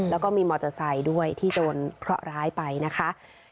แล้วก็มีมอเตอร์ไซค์ด้วยที่โดนเพราะร้ายไปนะคะ